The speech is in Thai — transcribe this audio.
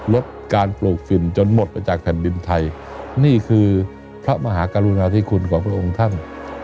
ลดการปลูกฝิ่นจนหมดไปจากแผ่นดินไทยนี่คือพระมหากรุณาธิคุณของพระองค์ท่าน